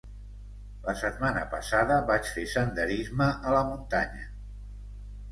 La setmana passada vaig fer senderisme a la muntanya.